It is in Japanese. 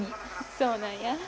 そうなんや。